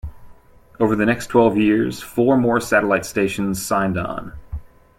Over the next twelve years, four more satellite stations signed on.